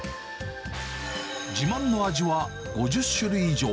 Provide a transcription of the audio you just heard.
自慢の味は５０種類以上。